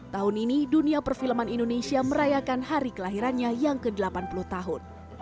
tahun ini dunia perfilman indonesia merayakan hari kelahirannya yang ke delapan puluh tahun